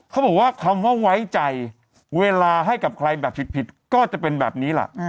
เขาบอกว่าคำว่าไว้ใจเวลาให้กับใครแบบผิดก็จะเป็นแบบนี้ล่ะ